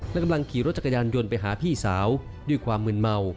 และกำลังขี่รถจักรยานยนต์ไปหาพี่สาวด้วยความมืนเมา